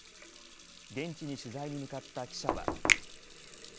現地に取材に向かった記者は。